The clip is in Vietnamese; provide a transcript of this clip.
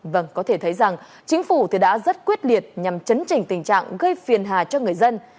vâng có thể thấy rằng chính phủ đã rất quyết liệt nhằm chấn trình tình trạng gây phiền hà cho người dân